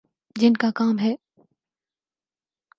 جن کا کام ہے۔